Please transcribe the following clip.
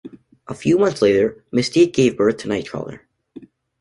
A few months later, Mystique gave birth to Nightcrawler.